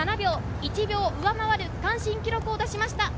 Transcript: １秒上回る区間新記録を出しました。